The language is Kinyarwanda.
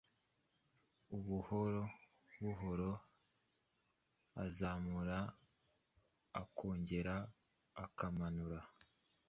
buhoro buhoro azamura akongera akamanura,